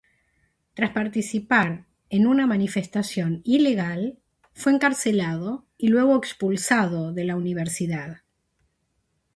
Tras participar en una manifestación ilegal, fue encarcelado y luego expulsado de la universidad.